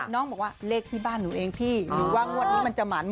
น้องขอบเลขที่บ้านอยู่ตรงนี้จะหมางท์